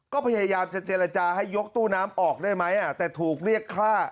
ก็พยายามจะเจรจาให้ยกตู้น้ำออกได้ไหมแต่ถูกเรียกฆ่า